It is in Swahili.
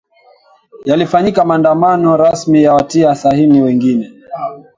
yalifanyika maandamano rasmi ya watia sahini wengine